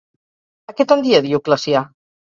A què tendia Dioclecià?